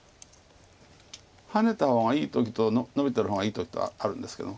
ハネた方がいい時とノビてる方がいい時とあるんですけども。